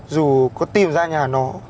dù có tìm ra nhà nó